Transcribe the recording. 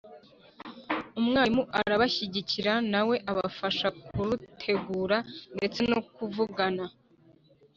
umwarimu arabashyigikira na we abafashe kurutegura ndetse no kuvugana